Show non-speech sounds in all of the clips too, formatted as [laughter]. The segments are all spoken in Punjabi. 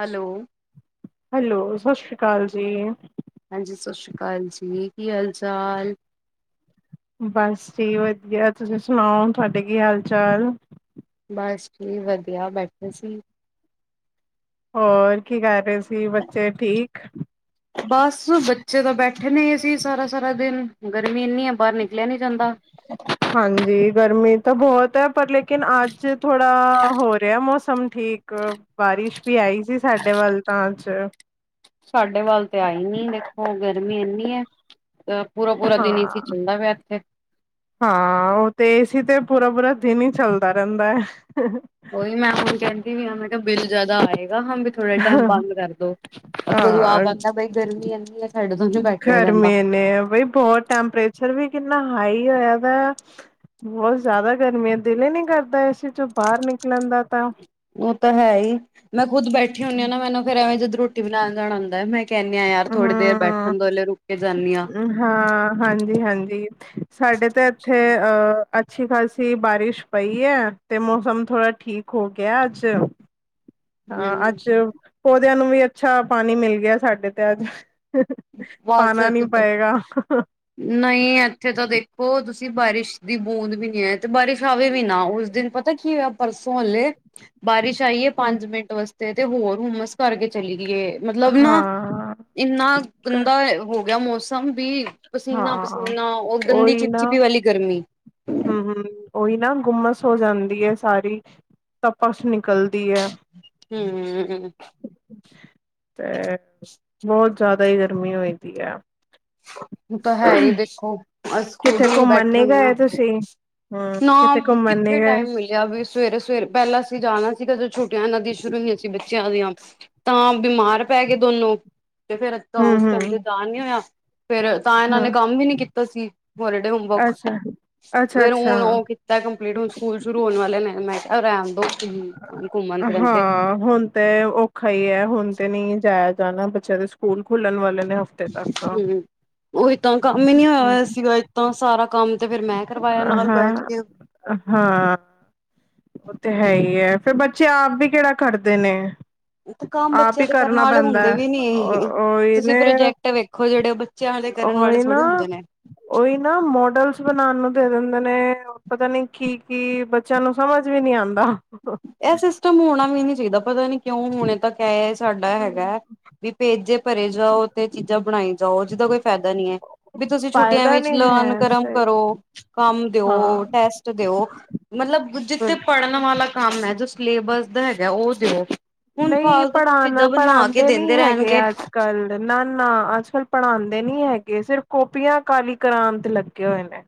ਹੈਲੋ ਹੈਲੋ ਸਤਿ ਸ਼੍ਰੀ ਅਕਾਲ ਜੀ। ਹਾਂਜੀ ਸਤਿ ਸ੍ਰੀ ਅਕਾਲ ਜੀ ਕੀ ਹਾਲ ਚਾਲ। ਬਸ ਜੀ ਵਧੀਆ ਤੁਸੀਂ ਸੁਣਾਓ ਤੁਹਾਡੇ ਕੀ ਹਾਲ ਚਾਲ। ਬਸ ਜੀ ਵਧੀਆ ਬੈਠੇ ਸੀ। ਹੋਰ ਕੀ ਕਰ ਰਹੇ ਸੀ ਬੱਚੇ ਠੀਕ। ਬਸ ਬੱਚੇ ਤਾਂ ਬੈਠੇ ਨੇ ਅਸੀਂ ਸਾਰਾ -ਸਾਰਾ ਦਿਨ ਗਰਮੀ ਇੰਨੀ ਆ ਬਾਹਰ ਨਿਕਲਿਆ ਨੀ ਜਾਂਦਾ। [inaudible] ਹਾਂਜੀ ਗਰਮੀ ਤਾਂ ਬਹੁਤ ਹੈ ਪਰ ਲੇਕਿਨ ਅੱਜ ਥੋੜਾ ਹੋ ਰਿਹਾ ਮੌਸਮ ਠੀਕ। ਬਾਰਿਸ਼ ਵੀ ਆਈ ਸੀ ਸਾਡੇ ਵੱਲ ਤਾਂ ਅੱਜ ਸਾਡੇ ਵੱਲ ਤੇ ਆਈ ਨੀ ਦੇਖੋ ਗਰਮੀ ਇੰਨੀ ਹੈ। ਪੂਰਾ -ਪੂਰਾ ਦਿਨ ਏਸੀ ਹਾਂ ਚਲਦਾ ਪਿਆ ਇੱਥੇ ਹਾਂ ਉਹ ਤੇ ਏਸੀ ਤੇ ਪੂਰਾ- ਪੂਰਾ ਦਿਨ ਹੀ ਚੱਲਦਾ ਰਹਿੰਦਾ। ਉਹੀ ਮੈਂ ਹੁਣ ਕਹਿੰਦੀ ਵੀ ਹੈ ਮੈਂ ਤਾਂ ਬਿੱਲ ਜਿਆਦਾ ਆਏਗਾ ਥੋੜਾ ਟਾਈਮ ਬੰਦ ਕਰਦੋ ਜਬਾਬ ਆਂਦਾ ਬਈ ਗਰਮੀ ਇੰਨੀ ਹੈ। ਸਾਡੇ ਤੋਂ ਨੀ ਬੈਠਿਆ ਜਾਂਦਾ ਗਰਮੀਆਂ ਨੇ ਬਈ ਬਹੁਤ ਟੈਂਪਰੇਚਰ ਵੀ ਕਿੰਨਾ ਹਾਈ ਹੋਇਆ ਦਾ। ਬਹੁਤ ਜ਼ਿਆਦਾ ਗਰਮੀ ਹੈ ਦਿਲ ਹੀ ਨਹੀਂ ਕਰਦਾ ਏਸੀ 'ਚੋਂ ਬਾਹਰ ਨਿਕਲਣ ਦਾ ਤਾਂ ਉਹ ਤਾਂ ਹੈ ਹੀ ਮੈਂ ਖੁਦ ਬੈਠੀ ਹੁੰਦੀ ਹਾਂ ਨਾ ਮੈਨੂੰ ਫਿਰ ਐਵੇਂ ਜਦੋਂ ਰੋਟੀ ਬਣਾਉਣ ਜਾਣਾ ਹੁੰਦਾ ਮੈਂ ਕਹਿੰਣੀ ਆ ਯਾਰ ਥੋੜੀ ਦੇਰ ਹੂੰ ਬੈਠਣ ਦੋ ਹੱਲੇ ਰੁਕ ਕੇ ਜਾਂਨੀ ਆਂ। ਹਾਂ ਹਾਂਜੀ- ਹਾਂਜੀ ਸਾਡੇ ਤਾਂ ਇੱਥੇ ਅਹ ਅੱਛੀ ਖ਼ਾਸੀ ਬਾਰਿਸ਼ ਪਈ ਹੈ। ਤੇ ਮੌਸਮ ਥੋੜਾ ਠੀਕ ਹੋ ਗਿਆ ਅੱਜ ਹਮ ਹਾਂ ਅੱਜ ਪੌਦਿਆਂ ਨੂੰ ਵੀ ਅੱਛਾ ਪਾਣੀ ਮਿਲ ਗਿਆ ਸਾਡੇ ਤੇ ਅੱਜ ਬਸ ਪਾਣਾ ਨੀ ਇਥੇ ਤਾਂ ਪਏਗਾ। ਨਹੀਂ ਇੱਥੇ ਤਾਂ ਦੇਖੋ ਤੁਸੀਂ ਬਾਰਿਸ਼ ਦੀ ਬੂੰਦ ਵੀ ਨਹੀਂ ਹੈ ਤੇ ਬਾਰਿਸ਼ ਆਵੇ ਵੀ ਨਾ ਉਸ ਦਿਨ ਪਤ ਤਾਂ ਕੀ ਹੋਇਆ ਪਰਸੋਂ ਹੱਲੇ ਬਾਰਿਸ਼ ਆਈ ਏ ਪੰਜ ਮਿੰਟ ਵਾਸਤੇ ਤੇ ਹੋਰ ਹੁਮਸ ਕਰਕੇ ਚਲੀ ਗਈ ਏ। ਮਤਲਬ ਨਾ ਹਾਂ ਇੰਨਾ ਗੰਦਾ ਹੋ ਗਿਆ ਮੌਸਮ ਵੀ ਪਸੀਨਾ- ਹਾਂ ਪਸੀਨਾ ਉਹ ਗੰਦੀ ਚਿਪਚਿਪੀ ਵਾਲੀ ਗਰਮੀ ਹੂ ਹੂ ਉਹੀ ਨਾ ਗੁੰਮਸ ਹੋ ਜਾਂਦੀ ਹੈ ਸਾਰੀ ਤਪਸ ਨਿਕਲਦੀ ਹੈ। ਹੂ ਤੇ ਬਹੁਤ ਜ਼ਿਆਦਾ ਹੀ ਗਰਮੀ ਹੋ ਪਈ ਹੈ। ਉਹ ਤਾਂ ਹੈ ਹੀ ਦੇਖੋ ਆ ਕਿੱਥੇ ਸਕੂਲ ਘੁੰਮਣ ਨੀ ਵੈਕਿਊਮ ਗਏ ਨਾ ਤੁਸੀਂ ਹਮ ਨਾ ਕਿਤੇ ਘੁੰਮਣ ਨੀ ਕਿੱਥੇ ਗਏ ਟਾਈਮ ਮਿਲ ਵੀ ਸਵੇਰੇ ਸਵੇਰੇ ਪਹਿਲਾਂ ਅਸੀਂ ਜਾਣਾ ਸੀਗਾ ਜਦੋਂ ਛੁੱਟੀਆਂ ਇਹਨਾਂ ਦੀਆਂ ਸ਼ੁਰੂ ਹੋਈਆਂ ਸੀ ਬੱਚਿਆਂ ਦੀਆਂ ਤਾਂ ਬਿਮਾਰ ਪੈ ਗਏ ਦੋਨੋ ਤੇ ਫਿਰ ਤਾਂ ਹਮ ਉਸ ਟਾਈਮ ਹਮ ਤੇ ਦਾ ਨਹੀਂ ਹੋਇਆ ਫਿਰ ਤਾਂ ਇਹਨਾਂ ਨੇ ਹਾਂ ਕੰਮ ਵੀ ਨੀ ਕੀਤਾ ਸੀ ਹੋਲੀਡੇ ਹੋਮਵਰਕ ਅੱਛਾ ਅੱਛਾ ਫੇਰ ਅੱਛਾ ਉਹ ਕੀਤਾ ਕੰਪਲੀਟ ਹੁਣ ਸਕੂਲ ਸ਼ੁਰੂ ਹੋਣ ਵਾਲੇ ਨੇ ਮੈਂ ਕਿਹਾ ਰਹਿਣ ਦੋ ਹੂ ਘੁੰਮਣ ਫਿਰਨ ਤੇ ਹਾਂ ਹੁਣ ਤੇ ਔਖਾ ਹੀ ਹੈ ਹੁਣ ਤੇ ਨਹੀਂ ਜਾਇਆ ਜਾਣਾ ਬੱਚਿਆਂ ਦੇ ਸਕੂਲ ਖੁੱਲਣ ਵਾਲੇ ਨੇ ਹਫਤੇ ਤੱਕ ਆ ਉਹ ਇ ਤਾਂ ਕੰਮ ਹੀ ਨੀ ਹੋਇਆ ਹੋਇਆ ਸੀਗਾ ਇੱਦਾਂ ਸਾਰਾ ਕੰਮ ਤੇ ਫਿਰ ਮੈਂ ਕਰਵਾਇਆ ਨਾਲ ਬੈਠ ਹਾਂ ਕੇ ਹਾਂ ਉਹ ਤੇ ਹੈ ਹੀ ਹੈ ਫਿਰ ਬੱਚੇ ਆਪ ਵੀ ਕਿਹੜਾ ਕਰਦੇ ਨੇ ਤੇ ਕੰਮ ਆਪ ਬੱਚਿਆਂ ਹੀ ਦੇ ਕਰਨ ਕਰਨਾ ਵਾਲੇ ਪੈਂਦਾ ਹੁੰਦੇ ਹੈ। ਵੀ ਨੀ ਇਹ ਉਹੀ ਤੁਸੀਂ ਨੇ ਪ੍ਰੋਜੈਕਟ ਵੇਖੋ ਜਿਹੜੇ ਬੱਚਿਆਂ ਕਰਨ ਵਾਲੇ ਥੋੜੀ ਹੁੰਦੇ ਨੇ ਈ ਨਾ ਮੋਡਲ ਬਣਾਉਣ ਨੂੰ ਦੇ ਦਿੰਦੇ ਨੇ ਪਤਾ ਨੀ ਕੀ ਕੀ ਬੱਚਿਆਂ ਨੂੰ ਸਮਝ ਵੀ ਨੀ ਆਉਂਦਾ ਇਹ ਸਿਸਟਮ ਹੋਣਾ ਵੀ ਨੀ ਚਾਹੀਦਾ ਪਤਾ ਨੀ ਕਿਉਂ ਹੁਣੇ ਤੱਕ ਹੈ ਸਾਡਾ ਹੈਗਾ ਵੀ ਭੇਜੇ ਭਰੇ ਜਾਓ ਤੇ ਚੀਜ਼ਾਂ ਬਣਾਈ ਜਾਓ ਜਿਦਾ ਕੋਈ ਫ਼ਾਇਦਾ ਨਹੀਂੀ ਹੈ ਵੀ ਤੁਸੀਂ ਛੁੱਟੀਆਂ ਫਾਇਦਾ ਵਿੱਚ ਨਹੀਂ ਲਰਨ ਹੈ ਕਰਮ ਸਹੀ ਕਰੋ ਕੰਮ ਦਿਓ ਹਾਂ ਟੈਸਟ ਦਿਓ ਮਤਲਬ ਜਿੱਥੇ ਪੜ੍ਹਨ ਬਿਲਕੁਲ ਵਾਲਾ ਕੰਮ ਹੈ ਜੋ ਸਿਲੇਬਸ ਦਾ ਹੈਗਾ ਉਹ ਦਿਓ ਹੁਣ ਨਹੀਂ ਫਾਲਤੂ ਦੀ ਪੜ੍ਹਾਉਣਾ ਚੀਜ਼ਾਂ ਬਣਵਾ ਕੇ ਪੜ੍ਹਾਉਂਦੇ ਨਹੀਂੀ ਦਿੰਦੇ ਹੈਗੇ ਰਹਿਣਗੇ ਅੱਜ ਕੱਲ ਨਾ ਨਾ ਅੱਜ ਕੱਲ ਪੜ੍ਹਾਉਂਦੇ ਨੀ ਹੈਗੇ ਸਿਰਫ ਕੋਪੀਆਂ ਕਾਲੀ ਕ੍ਰਾਂਤ ਲੱਗੇ ਹੋਏ ਨੇ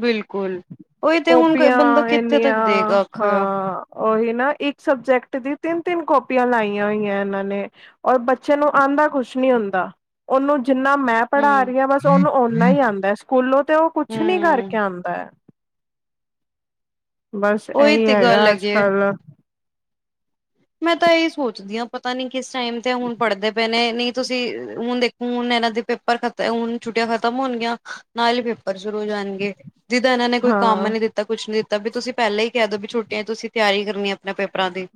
ਬਿਲਕੁਲ ਉਹੀ ਤੇ ਹੁਣ ਕਾਪੀਆਂ ਬੰਦਾ ਕਿੱਥੇ ਤੱਕ ਦੇਗਾ ਆਖਾ ਉਓਹੀ ਨਾ ਇੱਕ ਸਬਜੈਕਟ ਦੀ ਤਿੰਨ ਤਿੰਨ ਕਾਪੀਆਂ ਲਾਈਆਂ ਹੋਈਆਂ ਇਹਨਾਂ ਨੇ ਔਰ ਬੱਚੇ ਨੂੰ ਆਉਂਦਾ ਕੁਛ ਨੀ ਹੁੰਦਾ ਉਹਨੂੰ ਜਿੰਨਾ ਮੈਂ ਪੜ੍ਹਾ ਹੂੰ ਰਹੀ ਹਾਂ ਬਸ ਉਹਨੂੰ ਓਨਾ ਹੀ ਆਉਂਦਾ ਸਕੂਲੋਂ ਤੇ ਉਹ ਕੁਛ ਨੀ ਕਰਕੇ ਹੂੰ ਆਉਂਦਾ ਬਸ ਉਹੀ ਇਹੀ ਤੇ ਗੱਲ ਹੈਗਾ ਅੱਜ ਹੈਗੀ ਏ। ਕੱਲ ਮੈਂ ਤਾਂ ਇਹ ਸੋਚਦੀ ਹਾਂ ਪਤਾ ਨੀ ਕਿਸ ਟਾਈਮ ਤੇ ਹੁਣ ਪੜ੍ਹਦੇ ਪਏ ਨੇ ਨਹੀਂ ਤੁਸੀਂ ਹੁਣ ਦੇਖੋ ਹੁਣ ਇਹਨਾਂ ਦੇ ਪੇਪਰ ਖਤ ਹੁਣ ਛੁੱਟੀਆਂ ਖਤਮ ਹੋਣਗੀਆਂ ਨਾਲ ਹੀ ਪੇਪਰ ਸ਼ੁਰੂ ਹੋ ਜਾਣਗੇ ਜਿਦਾ ਇਹਨਾਂ ਨੇ ਕੋਈ ਕੰਮ ਹਾਂ ਨੀ ਦਿੱਤਾ ਤਾਂ ਕੁਛ ਨੀ ਦਿੱਤਾ ਵੀ ਤੁਸੀਂ ਪਹਿਲਾਂ ਹੀ ਕਹਿ ਦੋ ਵੀ ਛੋਟੀਆਂ ਤੁਸੀਂ ਤਿਆਰੀ ਕਰਨੀ ਆਪਣੇ ਪੇਪਰਾਂ ਦੀ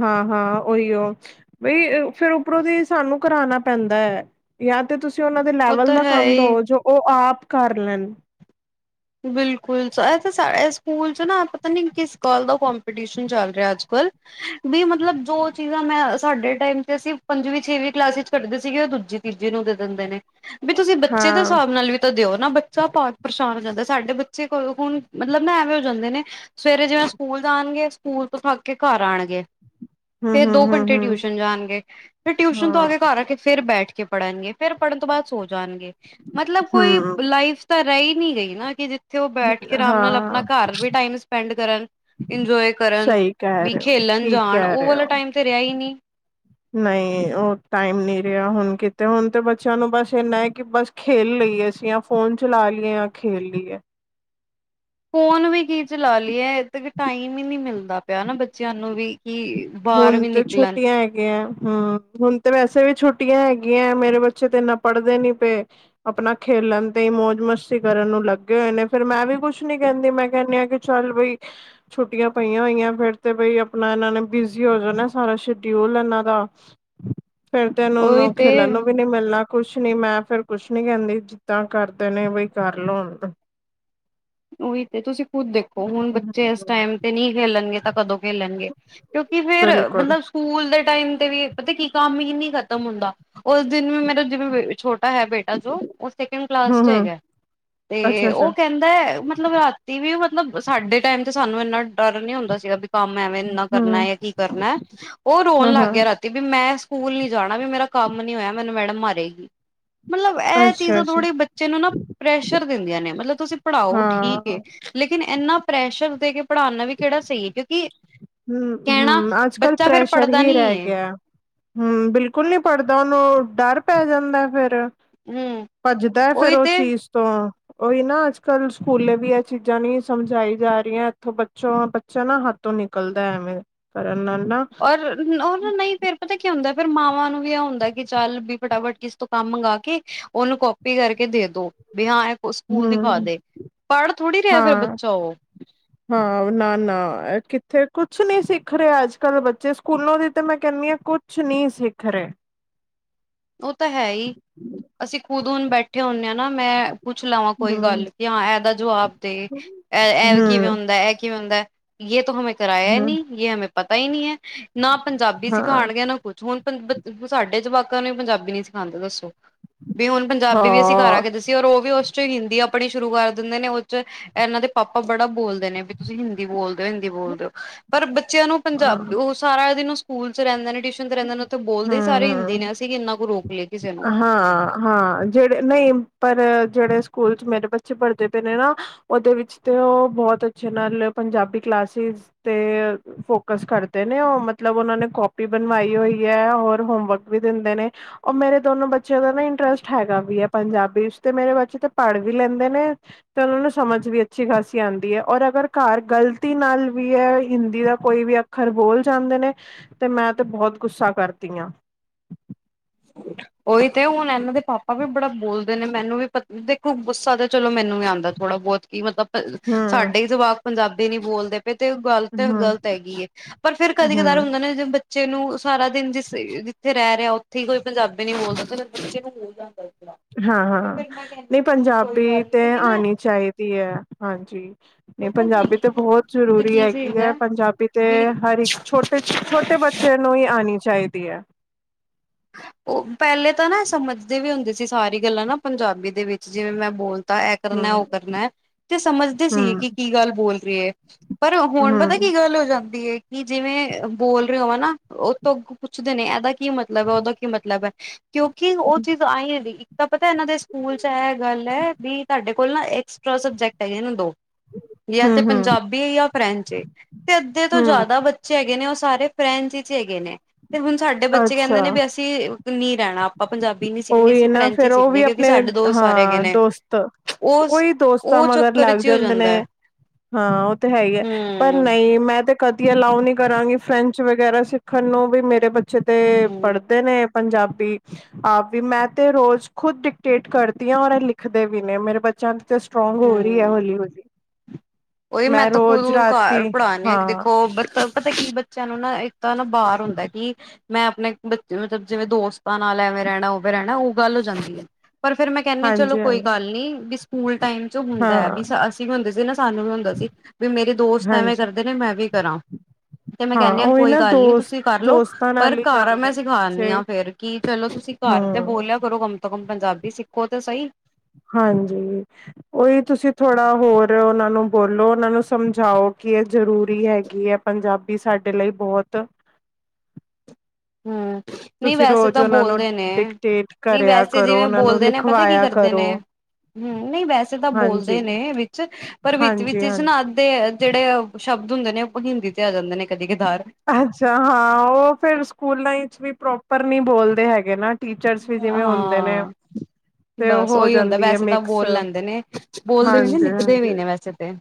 ਹਾਂ ਹਾਂ ਉਓਹੀ ਉਹ ਬਈ ਫੇਿਰ ਉੱਪਰੋਂ ਦੀ ਸਾਨੂੰ ਕਰਾਣਾ ਪੈਂਦਾ ਹੈ ਜਾਂ ਤੇ ਤੁਸੀਂ ਉਹਨਾਂ ਦੇ ਉਹ ਲੈਵਲ ਤਾਂ ਦਾ ਹੈ ਕੰਮ ਹੀ। ਦਵ ਜੋ ਉਹ ਆਪ ਕਰ ਲੈਣ ਬਿਲਕੁਲ ਸ ਇਹ ਤਾਂ ਸਾਡੇ ਸਕੂਲ ਚ ਨਾ ਪਤਾ ਨੀ ਕਿਸ ਗੱਲ ਦਾ ਕੰਮ ਸ਼ਨ ਚੱਲ ਰਿਹਾ ਅੱਜ ਕੱਲ੍ਹ ਵੀ ਮਤਲਬ ਜੋ ਚੀਜ਼ਾਂ ਮੈਂ ਸਾਡੇ ਟਾਈਮ ਚ ਅਸੀਂ ਪੰਜਵੀਂ ਛੇਵੀਂ ਕਲਾਸ ਚ ਕਰੱਢਦੇ ਸੀਗੇ ਉਹ ਦੂਜੀ ਤੀਜੇ ਨੂੰ ਦੇ ਦਿੰਦੇ ਨੇ ਵੀ ਤੁਸੀਂ ਬੱਚੇ ਦੇ ਹਾਂ ਹਿਸਾਬ ਨਾਲ ਵੀ ਤਾਂ ਦਿਓ ਨਾ ਬੱਚਾ ਪਾਠ ਪਰੇਸ਼ਾਨ ਜਾਂਦਾ ਸਾਡੇ ਬੱਚੇ ਕੋਲ ਹੁਣ ਮਤਲਬ ਮੈਂ ਐਵੇਂ ਹੋ ਜਾਂਦੇ ਨੇ ਸਵੇਰੇ ਜਿਵੇਂ ਸਕੂਲ ਜਾਣਗੇ ਸਕੂਲ ਤੋਂ ਥੱਕ ਕੇ ਘਰ ਆਉਣਗੇ ਫੇਰ ਦੋ ਘੰਟੇ ਹੂੰ-ਹੂੰ-ਹੂੰ-ਹੂੰ ਟਿਊਸ਼ਨ ਜਾਣਗੇ ਫਿਰ ਟਿਊਸ਼ਨ ਤੋਂ ਆ ਹਾਂ ਕੇ ਘਰ ਆ ਕੇ ਫਿਰ ਬੈਠ ਕੇ ਪੜ੍ਹਨਗੇ ਫੇਰ ਪੜ੍ਹਨ ਤੋਂ ਬਾਅਦ ਸੋ ਜਾਣਗੇ ਮਤਲਬ ਕੋਈ ਹੂੰ ਲਾਈਫ ਤਾਂ ਰਹਿ ਨਹੀਂੀ ਗਈ ਨਾ ਕਿ ਜਿੱਥੇ ਉਹ ਬੈਠ ਕੇ ਆਰਾਮ ਨਾਲ ਹਾਂ ਆਪਣਾ ਘਰ ਵੀ ਟਾਈਮ ਸਪੈਂਡ ਕਰਨ ਇੰਜੋਏ ਕਰਨ ਸਹੀ ਕਹਿ ਵੀ ਰਹੇ ਹੋ ਖੇਲਣ ਠੀਕ ਜਾਣ ਕਹਿ ਉਹ ਰਹੇ ਵਾਲਾ ਹੋ ਟਾਈਮ ਤੇ ਰਿਹਾ ਹੀ ਨਹੀਂ ਨਹੀਂ ਉਹ ਟਾਈਮ ਨਹੀਂੀ ਰਿਹਾ ਹੁਣ ਕਿਤੇ ਹੁਣ ਤੇ ਬੱਚਿਆਂ ਨੂੰ ਬਸ ਇੰਨਾ ਹੈ ਕਿ ਬਸ ਖੇਲ ਲਈਏਸੀਂ ਜਾਂ ਫੋਨ ਚਲਾ ਲਈਏ ਜਾਂ ਖੇਲ ਲਈਏ ਫੋਨ ਵੀ ਕੀ ਚਲਾ ਲਈਏ ਇਦ ਕਿ ਟਾਈਮ ਹੀ ਨਹੀਂ ਮਿਲਦਾ ਪਿਆ ਨਾ ਬੱਚਿਆਂ ਨੂੰ ਵੀ ਕਿ ਬਾਹਰ ਹੁਣ ਵੀ ਤੇ ਨਿਕਲਣ ਛੋਟੀਆਂ ਹੈਗੀਆਂ ਹੁ ਹੁਣ ਤੇ ਵੈਸੇ ਵੀ ਛੁੱਟੀਆਂ ਹੈਗੀਆਂ ਮੇਰੇ ਬੱਚੇ ਤੇ ਇਨਾ ਪੜ੍ਹਦੇ ਨੀ ਪਏ ਆਪਣਾ ਖੇਲ ਲੈਦੇ ਮੌਜ ਮਸਤੀ ਕਰਨ ਨੂੰ ਲੱਗੇ ਹੋਏ ਨੇ ਫੇਿਰ ਮੈਂ ਵੀ ਕੁੱਛ ਨੀ ਕਹਿੰਦੀ ਮੈਂ ਕਹਿੰਦੀ ਹਾਂ ਕਿ ਚੱਲ ਬਈ ਛੁੱਟੀਆਂ ਪਈਆਂ ਹੋਈਆਂ ਫੇਿਰ ਤੇ ਬਈ ਆਪਣਾ ਇਹਨਾਂ ਨੇ ਬਿਜੀੀ ਹੋ ਜਾਂਣਾ ਸਾਰਾ ਸ਼ਡਿਊਲ ਇਹਨਾਂ ਦਾ ਫੇਿਰ ਤੇ ਉਹੀ ਇਹਨੂੰ ਤੇ ਖੇਲਣ ਵੀ ਨੀ ਮਿਲਣਾ ਕੁਛ ਨੀ ਮੈਂ ਫੇਰ ਕੁਛ ਨੀ ਕਹਿੰਦੀ। ਕਿਦਾਂ ਕਰਦੇ ਨੇ ਬਈ ਕਰ ਲੋ ਹੁਣ ਉਹੀ ਤੇ ਤੁਸੀਂ ਖੁਦ ਦੇਖੋ ਹੁਣ ਬੱਚੇ ਇਸ ਟਾਈਮ ਤੇ ਨਹੀਂ ਖੇਲਣਗੇ ਤਾਂ ਕਦੋਂ ਖੇਲਣਗੇ। ਕਿਉਂਕਿ ਫੇਰ ਬਿਲਕੁਲ ਮਤਲਬ ਸਕੂਲ ਦੇ ਟਾਈਮ ਤੇ ਵੀ ਪਤਾ ਕੀ ਕੰਮ ਹੀ ਨਹੀਂ ਖਤਮ ਹੁੰਦਾ। ਉਸ ਦਿਨ ਵੀ ਮੇਰਾ ਜਿਵੇਂ ਛੋਟਾ ਹੈ ਬੇਟਾ ਜੋ ਉਹ ਸੈਕਿੰਡ ਕਲਾਸ ਚ ਹਮ ਹਮ ਹੈਗਾ ਅੱਛਾ ਤੇ ਅੱਛਾ ਉਹ ਕਹਿੰਦਾ। ਮਤਲਬ ਰਾਤੀ ਵੀ ਮਤਲਬ ਸਾਡੇ ਟਾਈਮ ਤੇ ਸਾਨੂੰ ਇੰਨਾ ਡਰ ਨੀ ਹੁੰਦਾ ਸੀਗਾ ਵੀ ਕੰਮ ਐਵੇਂ ਇੰਨਾ ਹਮ ਕਰਨਾ ਜਾਂ ਕੀ ਕਰਨਾ ਉਹ ਹਾਂ ਰੋਣ ਲੱਗ ਹਾਂ ਗਿਆ ਰਾਤੀ ਤੇ ਵੀ ਮੈਂ ਸਕੂਲ ਨੀ ਜਾਣਾ ਵੀ ਮੇਰਾ ਕੰਮ ਨੀ ਹੋਇਆ ਮੈਨੂੰ ਮੈਡਮ ਮਾਰੇਗੀ। ਮਤਲਬ ਇਹ ਅੱਛਾ ਚੀਜ਼ਾਂ ਅੱਛਾ ਥੋੜ੍ਹੀਆਂ ਬੱਚੇ ਨੂੰ ਨਾ ਪ੍ਰੈਸ਼ਰ ਦਿੰਦੀਆਂ ਨੇ ਮਤਲਬ ਤੁਸੀਂ ਪੜ੍ਹਾਓ। ਠੀਕ ਹਾਂ ਏ ਲੇਕਿਨ ਇੰਨਾ ਪ੍ਰੈਸ਼ਰ ਦੇ ਕੇ ਪੜ੍ਹਾਉਣਾ ਵੀ ਕਿਹੜਾ ਸਹੀ ਹੈ ਕਿਉਂਕਿ ਹੁ, ਕਹਿਣਾ ਹੁ ਅੱਜ ਕੱਲ੍ਹ ਬੱਚਾ ਫੇਰ ਪ੍ਰੈਸ਼ਰ ਪੜ੍ਹਦਾ ਹੀ ਨੀ ਰਹਿ ਏ ਗਿਆ। ਹੁ ਬਿਲਕੁਲ ਨੀ ਪੜ੍ਹਦਾ ਉਹਨੂੰ ਡਰ ਪੈ ਜਾਂਦਾ ਫੇਿਰ ਹੂੰ ਭੱਜਦਾ ਫੇਰ ਉਹੀ ਉਹ ਤੇ ਚੀਜ਼ ਤੋਂ ਉਹੀ ਨਾ ਅੱਜ ਕੱਲ੍ਹ ਸਕੂਲੇ ਵੀ ਇਹ ਚੀਜ਼ਾਂ ਨੀ ਸਮਝਾਈ ਜਾ ਰਹੀਆਂ ਇੱਥੋਂ ਬੱਚੋਂ ਬੱਚਾ ਨਾ ਹੱਥੋਂ ਨਿ ਨਿਕਲਦਾ ਐਵੇਂ ਕਰਨ ਨਾਲ ਨਾ ਔਰ ਉਹ ਨਾ ਨਹੀਂ ਫੇਰ ਪਤਾ ਕੀ ਹੁੰਦਾ ਫਿਰ ਮਾਵਾਂ ਨੂੰ ਵੀ ਇਹ ਹੁੰਦਾ ਚੱਲ ਬ ਫਟਾਵਟ ਕਿਸ ਤੋਂ ਕੰਮ ਮੰਗਾ ਕੇ ਉਹਨੂੰ ਕੋਪੀ ਕਰਕੇ ਦੇ ਦੋ ਵੀ ਹਾਂ ਸਕੂਲ ਦਿਖਾ ਹਮ ਦੇ ਪੜ੍ਹ ਥੋੜ੍ਹੀ ਰਿਹਾ ਫਿਰ ਹਾਂ ਬੱਚਾ ਉਹ [inaudible] ਹਾਂ ਨਾ- ਨਾ ਕਿੱਥੇ ਕੁਛ ਨੀ ਸਿੱਖ ਰਿਹਾ ਅੱਜ ਕੱਲ ਬੱਚੇ ਸਕੂਲਾਂ ਦੀ ਤੇ ਮੈਂ ਕਹਿੰਣੀ ਆਂ ਕੁਛ ਕੁਛ ਨਹੀਂ ਸਿਖ ਰਹੇ। ਉਹ ਤਾਂ ਹੈ ਹੀ ਅਸੀਂ ਖੁਦ ਹੁਣ ਬੈਠੇ ਹੁੰਦੇ ਹਾਂ ਨਾ ਮੈਂ ਪੁੱਛ ਲਵਾਂ ਕੋਈ ਹਮ ਗੱਲ ਕਿ ਹਾਂ ਇਹਦਾ ਜਵਾਬ ਦੇ ਇਹ ਕਿਵੇਂ ਹਮ ਹੁੰਦਾ-ਇਹ ਕਿਵੇਂ ਹੁੰਦਾ।। ਜੇ ਤਾਂ ਹਮੇ ਕਰਾਇਆ ਹੀ ਹਮ ਨਹੀਂ ਜੇ ਪਤਾ ਹੀ ਨਹੀਂ ਹੈ ਨਾ ਪੰਜਾਬੀ ਹਾਂ ਸਿਖਾਉਣ ਗਏ ਨਾ ਕੁਛ ਹੁਣ ਸਾਡੇ 'ਚ ਜਵਾਕਾਂ ਨੂੰ ਪੰਜਾਬੀ ਨੀ ਸਿਖਾਂਦੇ ਦੱਸੋ ਬੀ ਹੁਣ ਪੰਜਾਬੀ ਵੀ ਅਸੀ ਕਰ ਆ ਹਾਂ ਕੇ ਦਸੀ ਔਰ ਉਹ ਵੀ ਉਸ ਹਿੰਦੀ ਆਪਣੀ ਸ਼ੁਰੂ ਕਰ ਦਿੰਦੇ ਨੇ ਉਹ 'ਚ ਇਹਨਾਂ ਦੇ ਪਾਪਾ ਬੜਾ ਬੋਲਦੇ ਨੇ ਵੀ ਤੁਸੀ ਹਿੰਦੀ ਬੋਲਦੇ ਹਿੰਦੀ ਬੋਲਦੇ ਹੋ ਪਰ ਬੱਚਿਆਂ ਨੂੰ ਪੰਜਾਬ ਹਾਂ ਉਹ ਸਾਰਾ ਦਿਨ ਸਕੂਲ 'ਚ ਰਹਿੰਦੇ ਨੇ ਰਹਿੰਦੇ ਨੇ ਬੋਲਦੇ ਹੀ ਹਮ ਸਾਰੇ ਹਿੰਦੀ ਹਮ ਨੇ ਅਸੀਂ ਕਿੰਨਾ ਕੁ ਰੋਕ ਲਈਏ ਕਿਸੇ ਨੂੰ ਹਾਂ ਹਾਂ ਜਿਹੜੇ ਨਹੀਂ ਪਰ ਜਿਹੜੇ ਸਕੂਲ 'ਚ ਮੇਰੇ ਬੱਚੇ ਪੜ੍ਹਦੇ ਪਏ ਨੇ ਨਾ ਉਹਦੇ ਵਿੱਚ ਤੇ ਉਹ ਬਹੁਤ ਅੱਛੇ ਨਾਲ ਪੰਜਾਬੀ ਕਲਾਸਿਸ ਤੇ ਫੋਕਸ ਕਰਦੇ ਨੇ ਉਹ ਮਤਲਬ ਉਹਨਾਂ ਨੇ ਕਾਪੀ ਬਣਵਾਈ ਹੋਈ ਹੈ ਹੋਰ ਹੋਮਵਰਕ ਵੀ ਦਿੰਦੇ ਨੇ ਉਹ ਮੇਰੇ ਦੋਨੋ ਬੱਚਿਆਂ ਦਾ ਨਾ ਇੰਟਰਸਟ ਹੈਗਾ ਵੀ ਆ ਪੰਜਾਬੀ ਤੇ ਮੇਰੇ ਬੱਚੇ ਤੇ ਪੜ ਵੀ ਲੈਂਦੇ ਨੇ। ਤਾਂ ਉਹਨਾਂ ਨੂੰ ਸਮਝ ਵੀ ਅੱਛੀ ਖਾਸੀ ਆਂਦੀ ਹੈ ਔਰ ਅਗਰ ਘਰ ਗਲਤੀ ਨਾਲ ਵੀ ਹੈ ਹਿੰਦੀ ਦਾ ਕੋਈ ਵੀ ਖਰ ਬੋਲ ਜਾਂਦੇ ਨੇ ਤੇ ਮੈਂ ਤੇ ਬਹੁਤ ਗੁੱਸਾ ਕਰਦੀ ਆਂਂ। [unintelligible] ਉਹੀ ਤੇ ਹੁਣ ਇਹਨਾਂ ਦੇ ਪਾਪਾ ਵੀ ਬੜਾ ਬੋਲਦੇ ਨੇ ਮੈਨੂੰ ਵੀ ਪਤਾ ਦੇਖੋ ਗੁੱਸਾ ਤਾਂ ਚਲੋ ਮੈਨੂੰ ਵੀ ਆਉਂਦਾ ਥੋੜਾ ਬਹੁਤ ਕੀ ਮਤਲਬ ਹਮ ਸਾਡੇ ਹੀ ਜਵਾਕ ਪੰਜਾਬੀ ਨੀ ਬੋਲਦੇ ਤੇ ਗਲਤ ਹਮ -ਗਲਤ ਹੈਗੀ ਪਰ ਫੇਰ ਕਦੇ ਕਦਾਰ ਹਮ ਹੁੰਦਾ ਨੇ ਬੱ ਬੱਚੇ ਨੂੰ ਸਾਰਾ ਦਿਨ ਜਿਸ ਜਿੱਥੇ ਰਹਿ ਰਿਹਾ। ਠੀਕ ਕੋਈ ਪੰਜਾਬੀ ਨਹੀਂ ਬੋਲ ਸਕਦਾ ਫਿਰ ਬੱਚੇ ਨੂੰ ਹੋ ਜਾਂਦਾ ਥੋੜਾ ਪਰ ਹਾਂ-ਹਾਂ ਫਿਰ ਮੈਂ ਕਹਿੰਦੀ ਨਹੀਂ ਚਲ ਕੋਈ ਪੰਜਾਬੀ ਗੱਲ ਨੀ ਤੇ ਕਿਉਂਕਿ ਨਾ ਆਂਣੀ ਚਾਹੀਦੀ ਹੈ ਹਾਂਜੀ। ਨਹੀਂ ਪਤਾ ਪੰਜਾਬੀ ਤੇ ਇਹਨਾਂ ਬਹੁਤ ਦੇ ਜ਼ਰੂਰੀ ਕੀ ਹੈਗੀ ਹੈ ਸੀਗਾ ਪੰਜਾਬੀ ਤੇ ਵੀ ਹਰ ਇੱਕ ਛੋਟੇ- ਛੋਟੇ ਬੱਚੇ ਨੂੰ ਵੀ ਆਉਣੀ ਚਾਹੀਦੀ ਹੈ। ਉਹ ਪਹਿਲੇ ਤਾਂ ਨਾ ਸਮਝਦੇ ਵੀ ਹੁੰਦੇ ਸੀ ਸਾਰੀ ਗੱਲਾਂ ਨਾ ਪੰਜਾਬੀ ਦੇ ਵਿੱਚ ਜਿਵੇਂ ਮੈਂ ਬੋਲ ਇਹ ਹੂੰ ਕਰਨਾ ਉਹ ਕਰਨਾ ਤੇ ਸਮਝਦੇ ਸੀ ਹੂੰ ਕਿ ਕੀ ਗੱਲ ਬੋਲ ਰਹੀ ਹੈ। ਪਰ ਹੁਣ ਪਤਾ ਕੀ ਹੂੰ ਗੱਲ ਹੋ ਜਾਂਦੀ ਹੈ। ਕਿ ਜਿਵੇਂ ਬੋਲ ਰਹੇ ਹੋ ਨਾ ਉਹ ਤੋਂ ਪੁੱਛਦੇ ਨੇ ਇਹਦਾ ਕੀ ਮਤਲਬ ਹੈ ਉਹਦਾ ਕੀ ਮਤਲਬ ਹੈ। ਕਿਉਂਕਿ ਉਹ ਚੀਜ਼ ਆਈ ਹੈ ਦੀ ਤਾਂ ਪਤਾ ਇਹਨਾਂ ਦੇ ਸਕੂਲ 'ਚ ਇਹ ਗੱਲ ਹੈ ਵੀ ਤੁਹਾਡੇ ਕੋਲ ਨਾ ਐਕਸਟਰਾ ਸਬਜੈਕਟ ਹੈਗੇ ਦੋ ਜਾਂ ਹੂੰ ਤੇ ਹੂੰ ਪੰਜਾਬੀ ਏ ਜਾਂ ਫਰੈਂਚ ਏ ਤੇ ਅੱਧੇ ਤੋਂ ਹੂੰ ਜ਼ਿਆਦਾ ਬੱ ਚ ਹੈਗੇ ਨੇ ਉਹ ਸਾਰੇ ਫਰੈਂਚ 'ਚ ਹੈਗੇ ਨੇ ਤੇ ਹੁਣ ਸਾਡੇ ਬੱਚੇ ਕਹਿੰਦੇ ਅੱਛਾ ਨੇ ਵੀ ਅਸੀ ਬੀ ਉਧਰ ਨਹੀ ਰਹਿਣਾ ਆਪਾਂ ਪੰਜਾਬੀ ਨੀ ਸਿੱਖਣੀ ਉਹੀ ਅਸੀਂ ਨਾ ਫਰੈਂਚ ਹੀ ਫਿਰ ਉਹ ਵੀ ਸਿੱਖਣੀ ਕਿਉਂਕਿ ਆਪਣੇ ਸਾਡੇ ਦੋਸਤ ਸਾਰੇ ਹੈਗੇ ਹਾਂ ਨੇ ਦੋਸਤ [inaudible] ਉਹ ਉਹੀ ਦੋਸਤ ਉਹ ਮਗਰ ਚੱਕਰ ਲੱਗ ਚ ਹੀ ਹੋ ਜਾਂਦੇ ਨੇ ਜਾਂਦਾ। ਹਾਂ ਉਹ ਤੇ ਹੈ ਹੀ ਹੈ ਪਰ ਹੂੰ, ਨਹੀਂ ਮੈਂ ਤੇ ਕਦੀ ਅਲਾਓ ਨਹੀਂ ਕਰਾਂਗੀ ਫਰੈਂਚ ਵਗੈਰਾ ਸਿੱਖਣ ਨੂੰ ਵੀ ਮੇਰੇ ਬੱਚੇ ਤੇ ਹੂੰ, ਪੜ ਨੇ ਪੰਜਾਬੀ [inaudible] ਆਪ ਵੀ ਮੈਂ ਤੇ ਰੋਜ਼ ਖੁਦ ਡਿਕਟੇਟ ਕਰਦੀ ਹਾਂ ਔਰ ਇਹ ਲਿਖਦੇ ਵੀ ਨੇ ਮੇਰੇ ਬੱਚ ਬੱਚਿਆਂ ਨੂੰ ਸਟਰੋਂਗ ਹੋ ਰਹੀ ਹੈ ਹੂੰ। ਹੌਲੀ- ਹੌਲੀ ਉਹੀ ਮੈਂ ਤਾਂ ਖੁਦ ਰੋਜ਼ ਰਾਤੀ ਘਰ ਪੜਾਉਦੀ ਆਂ ਕਿ ਹਾਂ ਦੇਖੋ ਪਤਾ ਕੀ ਬੱਚਿਆਂ ਨੂੰ ਨਾ ਇੱਕ ਤਾਂ ਨਾ ਬਾਹਰ ਹੁੰਦਾ ਕੀ ਮੈਂ ਆਪਣੇ ਬੱਚੇ ਮਤਲਬ ਜਿਵੇਂ ਦੋਸਤਾਂ ਨਾਲ ਐਵੇਂ ਰਹਿਣਾ ਉਵੇ ਰਹਿਣਾ ਉਹ ਗੱਲ ਹੋ ਜਾਂਦੀ ਹੈ ਪਰ ਫਿਰ ਮੈਂ ਕਹਿੰਦੀ ਹਾਂ ਚਲੋ ਹਾਂਜੀ ਕੋਈ ਹਾਂਜੀ ਗੱਲ ਨੀ ਵੀ ਸਕੂਲ ਟਾਈਮ ਚ ਹੁੰਦਾ ਹਾਂ ਹੈ ਵੀ ਅਸੀਂ ਵੀ ਹੁੰਦੇ ਸੀ ਨਾ ਸਾਨੂੰ ਵੀ ਹੁੰਦਾ ਸੀ ਵੀ ਮੇਰੇ ਦੋਸਤ ਐਵੇਂ ਹਾਂਜੀ ਕਰਦੇ ਨੇ ਮੈਂ ਵੀ ਕਰਾਂ। ਤੇ ਮੈਂ ਕਹਿੰਦੀ ਹਾਂ ਉਹੀ ਕੋਈ ਨਾ ਗੱਲ ਨੀ ਦੋਸਤ ਤੁਸੀਂ ਕਰਲਓ ਦੋਸਤਾਂ ਪਰ ਨਾਲ ਹੀ ਘਰ ਜਾਂਦੇ ਨੇ ਮੈਂ ਸਿਖਾਣੀ ਬੱਚੇ ਹਾਂ ਫੇਰ ਕੀ ਚਲੋ ਤੁਸੀਂ ਘਰ ਤੇ ਹਮ ਬੋਲਿਆ ਕਰੋ ਕਮ ਤੋਂ ਕਮ ਪੰਜਾਬੀ ਸਿੱਖੋ ਤੇ ਸਹੀ ਹਾਂਜੀ ਉਹੀ ਤੁਸੀਂ ਥੋੜਾ ਹੋਰ ਉਹਨਾਂ ਨੂੰ ਬੋਲੋ ਉਹਨਾਂ ਨੂੰ ਸਮਝਾਓ ਕਿ ਇਹ ਜ਼ਰੂਰੀ ਹੈਗੀ ਹੈ ਪੰਜਾਬੀ ਸਾਡੇ ਲਈ ਬਹੁਤ ਹੂੰ [inaudible] ਨਹੀਂ ਤੁਸੀਂ ਵੈਸੇ ਰੋਜ਼ ਤਾਂ ਉਹਨਾ ਨੂੰ ਬੋਲਦੇ ਨੇ ਡਿਕਟੇਟ ਨਹੀਂ ਕਰਿਆ ਵੈਸੇ ਕਰੋ ਜਿਵੇਂ ਉਹਨਾਂ ਨੂੰ ਬੋਲਦੇ ਨੇ ਪਤਾ ਕੀ ਲਿਖਵਾਇਆ ਕਰਦੇ ਕਰੋ ਨੇ ਹਮ ਨਹੀਂ ਵੈਸੇ ਤਾਂ ਹਾਂਜੀ ਬੋਲਦੇ ਨੇ ਵਿੱਚ ਪਰ ਵਿੱਚ- ਹਾਂਜੀ ਵਿਚ ਨਾ ਹਾਂਜੀ ਅੱਧੇ ਜਿਹੜੇ ਸ਼ਬਦ ਹੁੰਦੇ ਨੇ ਉਹ ਹਿੰਦੀ ਤੇ ਆ ਜਾਂਦੇ ਨੇ ਕਦੇ ਕਦਾਰ ਅੱਛਾ ਹਾਂ ਉਹ ਫਿਰ ਸਕੂਲਾਂ ਵਿੱਚ ਵੀ ਪ੍ਰੋਪਰ ਨਹੀ ਬੋਲਦੇ ਹੈਗੇ ਨਾ ਟੀਚਰਸ ਵੀ ਜਿਵੇਂ ਹੁੰਦੇ ਨੇ ਹਾਂ ਤੇ ਉਹ ਬਸ ਹੋ ਓਹੀ ਹੁੰਦਾ ਜਾਂਦੀ ਹੈ ਵੈਸੇ ਤਾਂ ਮਿਕਸ ਬੋਲ ਲੈਂਦੇ ਨੇ, ਬੋਲਦੇ ਵੀ ਨੇ ਹਾਂਜੀ ਲਿਖਦੇ ਵੀ ਹਾਂਜੀ ਨੇ ਵੈਸੇ ਤੇ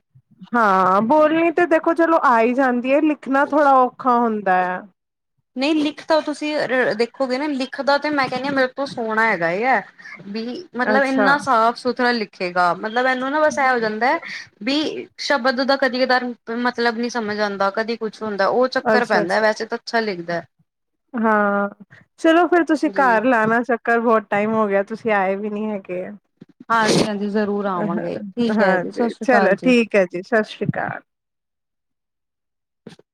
ਹਾਂ ਬੋਲਣੀ ਤੇ ਦੇਖੋ ਚਲੋ ਆ ਹੀ ਜਾਂਦੀ ਹੈ ਲਿਖਣਾ ਥੋੜ੍ਹਾ ਔਖਾ ਹੁੰਦਾ ਹੈ ਨਹੀਂ ਲਿਖ ਤਾਂ ਤੁਸੀਂ ਦੇਖੋਗੇ ਨਾ ਲਿਖ ਦਾ ਤੇ ਮੈਂ ਕਹਿੰਦੀ ਹਾਂ ਮੇਰੇ ਤੋਂ ਸੋਹਣਾ ਹੈਗਾ ਵੀ ਮਤਲਬ ਅੱਛਾ ਇੰਨਾ ਸਾਫ ਸੁਥਰਾ ਲਿਖੇਗਾ ਮਤਲਬ ਇਹਨੂੰ ਨਾ ਬਸ ਇਹ ਹੋ ਜਾਂਦਾ ਹੈ ਵੀ ਸ਼ਬਦ ਦਾ ਕਦੀ-ਕਦਾਰ ਮਤਲਬ ਨੀ ਸਮਝ ਆਉਂਦਾ ਕਦੀ ਕੁਛ ਹੁੰਦਾ, ਉਹ ਚੱਕਰ ਅੱਛਾ, ਪੈਂਦਾ ਅੱਛਾ, ਵੈਸੇ ਤਾਂ ਅੱਛਾ ਲਿਖਦਾ ਹਾਂ, ਚਲੋ ਫਿਰ ਤੁਸੀਂ ਜੀ। ਘਰ ਲਾਉਣਾ ਘਰ ਬਹੁਤ ਟਾਈਮ ਹੋ ਗਿਆ ਤੁਸੀਂ ਆਏ ਵੀ ਨੀ ਹੈਗੇ ਆ ਹਾਂਜੀ ਹਾਂਜੀ ਜ਼ਰੂਰ ਆਵਾਂਗੇ ਠੀਕ ਹੈ ਜੀ ਹਾਂਜੀ ਸਤਿ ਸ਼੍ਰੀ ਅਕਾਲ ਚਲੋ ਜੀ। ਠੀਕ ਹੈ ਜੀ ਸਤਿ ਸ੍ਰੀ ਅਕਾਲ [inaudible] [inaudible]